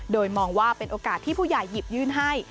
โดยมองว่าเป็นโอกาสที่ผู้ใหญ่หยิบยื่นให้